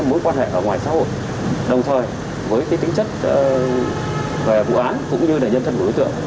mối quan hệ ở ngoài xã hội đồng thời với tính chất về vụ án cũng như là nhân thân của đối tượng